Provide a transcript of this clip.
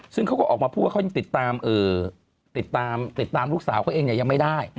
ซึ่งเขาก็ออกมาพูดติดตามลูกสาวเขาเองแต่ยังไม่ได้